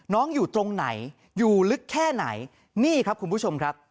อยู่ตรงไหนอยู่ลึกแค่ไหนนี่ครับคุณผู้ชมครับ